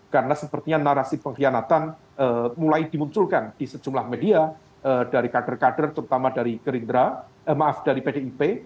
karena sepertinya narasi pengkhianatan mulai dimunculkan di sejumlah media dari kader kader terutama dari pdip